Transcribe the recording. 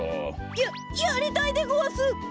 やっやりたいでごわす！